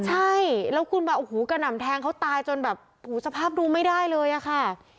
ใช่แล้วคุณแบบกระหน่ำแทงเขาตายจนสภาพดูไม่ได้เลยอ่ะค่ะ